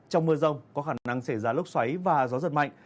trong mưa rông có khả năng xảy ra lốc xoáy và gió giật mạnh